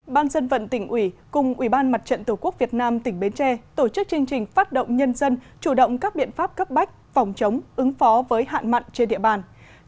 ban dân vận tỉnh ủy cùng ủy ban mặt trận tổ quốc việt nam tỉnh bến tre tổ chức chương trình phát động nhân dân chủ động các biện pháp cấp bách phòng chống ứng phó với hạn mặn trên địa bàn